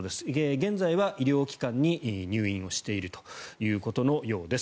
現在は医療機関に入院をしているということのようです。